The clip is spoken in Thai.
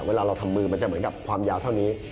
เวลาเราทำมือมันจะเหมือนกับความยาวเท่านี้